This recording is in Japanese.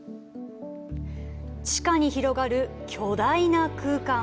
地下に広がる巨大な空間。